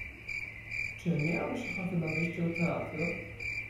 Czy miałabyś ochotę na wyjście do teatru?